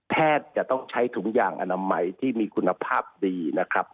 จะต้องใช้ถุงยางอนามัยที่มีคุณภาพดีนะครับ